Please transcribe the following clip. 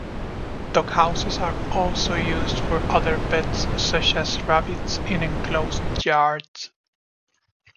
Doghouses are also used for other pets, such as rabbits in enclosed yards.